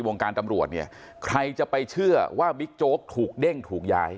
วงการตำรวจเนี่ยใครจะไปเชื่อว่าบิ๊กโจ๊กถูกเด้งถูกย้าย